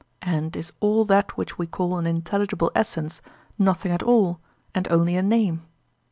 And is all that which we call an intelligible essence nothing at all, and only a name?